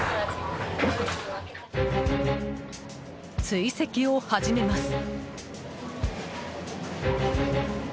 追跡を始めます。